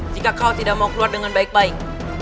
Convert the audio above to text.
jika kau tidak mau keluar dengan baik baik